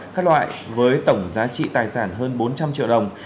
các loại với tổng giá trị tài sản hơn bốn trăm linh triệu đồng